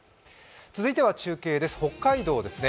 続いては中継です、北海道ですね。